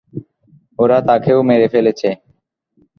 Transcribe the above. ওরা তাকেও মেরে ফেলেছে।